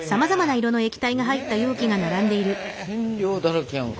染料だらけやんか。